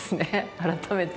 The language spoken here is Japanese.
改めて。